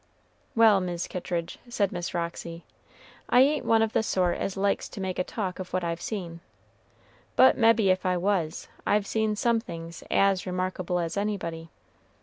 "Well, Mis' Kittridge," said Miss Roxy, "I ain't one of the sort as likes to make a talk of what I've seen, but mebbe if I was, I've seen some things as remarkable as anybody.